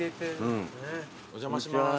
お邪魔します